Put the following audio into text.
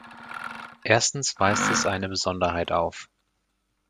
Erstens weist es eine Besonderheit auf.